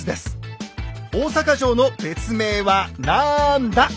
大坂城の別名はなんだ？